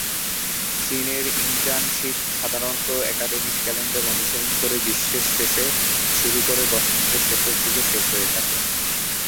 চীনের ইন্টার্নশীপ সাধারণত academic calendar অনুসরণ করে গ্রীষ্মের শেষের দিকে শুরু করে বসন্তের শেষের দিকে শেষ হয়ে থাকে।